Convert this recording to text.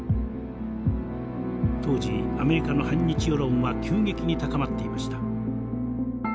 当時アメリカの反日世論は急激に高まっていました。